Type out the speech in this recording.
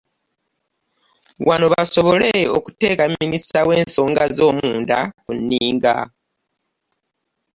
Wano basobole okuteeka Minisita w'ensonga z'omunda ku nninga